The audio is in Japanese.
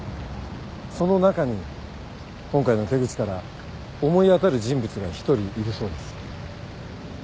その中に今回の手口から思い当たる人物が１人いるそうです。